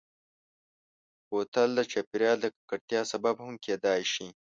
بوتل د چاپېریال د ککړتیا سبب هم کېدای شي.